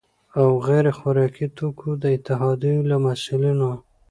او غیر خوراکي توکو د اتحادیو له مسؤلینو،